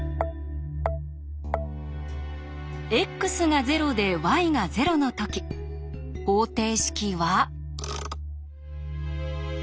ｘが０でｙが０の時方程式は。